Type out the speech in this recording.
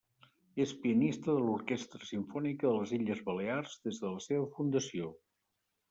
És pianista de l'Orquestra Simfònica de les Illes Balears des de la seva fundació.